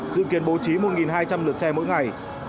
dự kiến bố trí một hai trăm linh lượt xe mỗi ngày